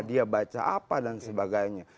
dia baca apa dan sebagainya